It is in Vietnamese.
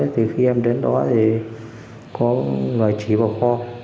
từ khi em đến đó thì có người chỉ vào kho